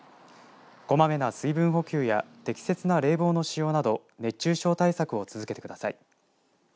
こまめな水分補給や適切な冷房の使用など熱中症対策を続けてください。